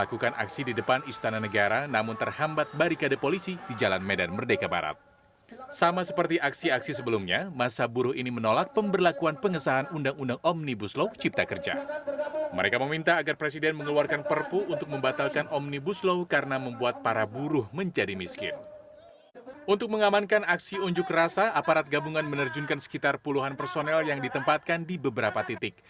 untuk mengamankan aksi unjuk rasa aparat gabungan menerjunkan sekitar puluhan personel yang ditempatkan di beberapa titik